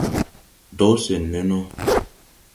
Do sen ne no :